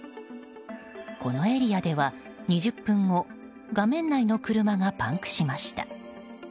そのエリアでは２０分後画面内の車がパンクしました。